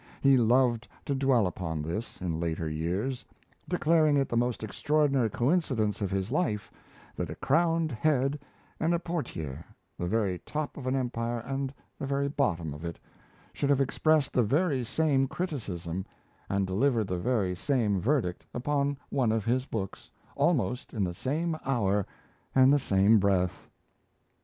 He loved to dwell upon this, in later years declaring it the most extraordinary coincidence of his life that a crowned head and a portier, the very top of an empire and the very bottom of it, should have expressed the very same criticism, and delivered the very same verdict, upon one of his books, almost in the same hour and the same breath.